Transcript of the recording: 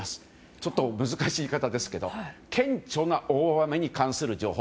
ちょっと難しい言い方ですが顕著な大雨に関する情報。